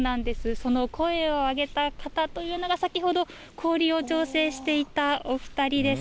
その声を上げた方というのが先ほど、氷を調整していたお２人です。